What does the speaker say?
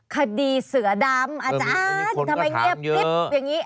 คดีเสือดำอาจารย์ทำไมเงียบกริ๊บอย่างนี้